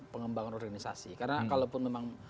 pengembangan organisasi karena kalaupun memang